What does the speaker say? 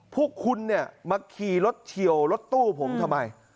พวกคุณเนี่ยมาขี่รถเฉียวรถตู้ผมทำไม